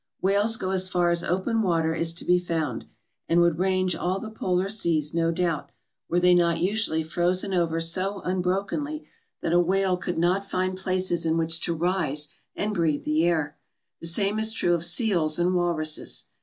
Whales go as far as open water is to be found, and would range all the polar seas no doubt, were they not usually frozen over so unbrokenly that a whale could not find places in which to rise and breathe the air. The same is true of seals and walruses.